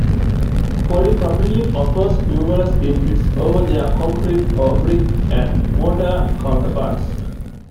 Polypropylene offers numerous benefits over their concrete or brick and mortar counterparts.